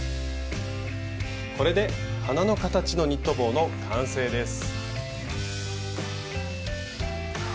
これで花の形のニット帽の完成です。